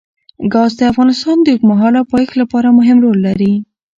ګاز د افغانستان د اوږدمهاله پایښت لپاره مهم رول لري.